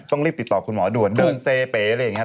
ต้องรีบติดต่อคุณหมอด่วนเดินเซเป๋อะไรอย่างนี้